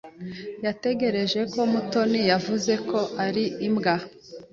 Natekereje ko Mutoni yavuze ko ari imbwa.